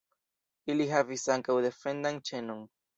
Ili havis ankaŭ defendan ĉenon.